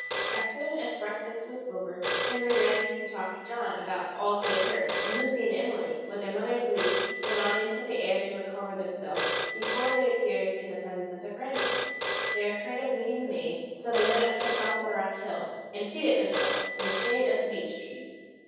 As soon as breakfast was over, Henry ran to talk to John about all that he heard: and Lucy and Emily, with their mother's leave, went out into the air to recover themselves before they appeared in the presence of their grandmother. They were afraid of meeting the maid, so they went up to the top of the round hill, and seated themselves in the shade of the beech trees.